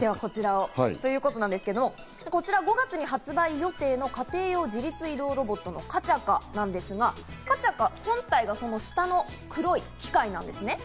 ということなんですけど、こちら５月に発売予定の家庭用自律移動ロボットのカチャカなんですが、カチャカ本体がその下の黒い機械なんですね。